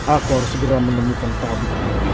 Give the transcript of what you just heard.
aku harus segera menemukan tabu